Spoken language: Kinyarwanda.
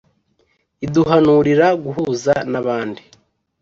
iduhanurira guhuza n'abandi